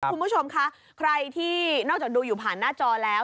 คุณผู้ชมคะใครที่นอกจากดูอยู่ผ่านหน้าจอแล้ว